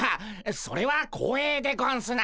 それは光栄でゴンスな。